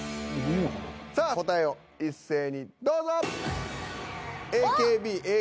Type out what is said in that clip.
さあ答えを一斉にどうぞ！